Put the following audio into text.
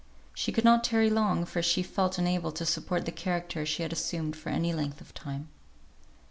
She could not tarry long, for she felt unable to support the character she had assumed for any length of time.